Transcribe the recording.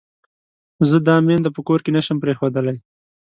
زه دا مينده په کور کې نه شم پرېښودلای.